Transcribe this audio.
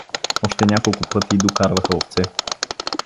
Още няколко пъти докарваха овце.